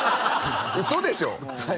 嘘でしょ？